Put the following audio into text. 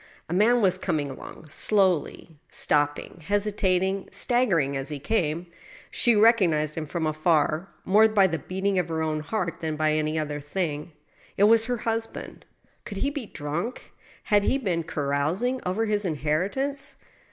A man was coming along slowly, stopping, hesitating, stagger ing as he came. She recognized him from afar, more by the beating of her own heart than by any other thing. It was her husband. Could he be drunk? Had he been carousing over his inheritance